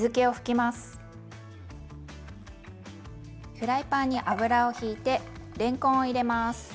フライパンに油をひいてれんこんを入れます。